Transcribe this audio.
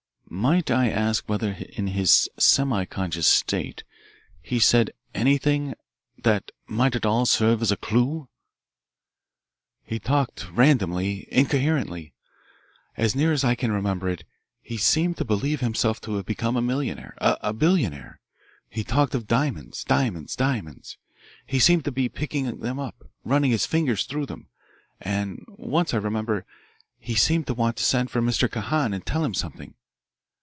"Might I ask whether in his semiconscious state he said anything that might at all serve as a clue?" "He talked ramblingly, incoherently. As near as I can remember it, he seemed to believe himself to have become a millionaire, a billionaire. He talked of diamonds, diamonds, diamonds. He seemed to be picking them up, running his fingers through them, and once I remember he seemed to want to send for Mr. Kahan and tell him something.